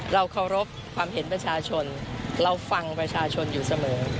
เราเคารพความเห็นประชาชนเราฟังประชาชนอยู่เสมอ